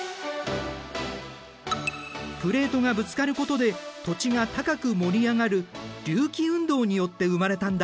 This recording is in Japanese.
プレートがぶつかることで土地が高く盛り上がる隆起運動によって生まれたんだ。